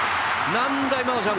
何だ、今のジャンプ！